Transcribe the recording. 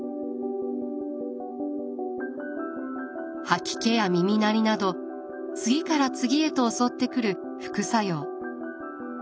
吐き気や耳鳴りなど次から次へと襲ってくる副作用。